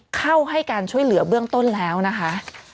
เข้าให้การช่วยเหลือเบื้องต้นแล้วนะคะ